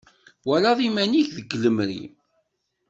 Twalaḍ iman-ik deg lemri.